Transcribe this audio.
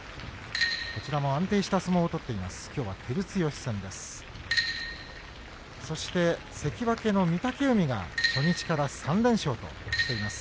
こちらも安定した相撲を取っています。